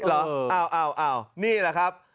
โอ๊ยหรอนี่แหละครับ